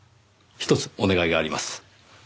ひとつお願いがあります。